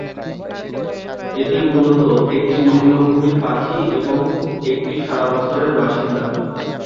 এটি মূলত একটি নিম্নভূমির পাখি, এবং একটি সারা বছরের বাসিন্দা।